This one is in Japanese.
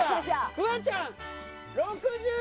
フワちゃん６１．５。